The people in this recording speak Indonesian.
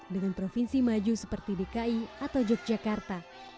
dengan provinsi maju seperti dki atau yogyakarta